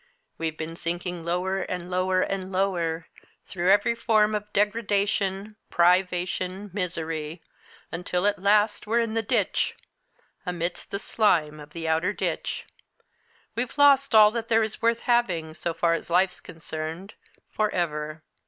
We've been sinking lower and lower and lower, through every form of degradation, privation, misery, until at last we're in the ditch amidst the slime of the outer ditch. We've lost all that there is worth having, so far as life's concerned, for ever.